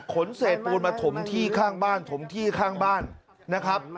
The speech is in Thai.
เศษปูนมาถมที่ข้างบ้านถมที่ข้างบ้านนะครับ